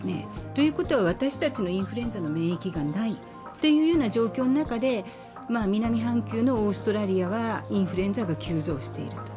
ということは、私たちのインフルエンザの免疫がない状況の中で南半球のオーストラリアはインフルエンザが急増している。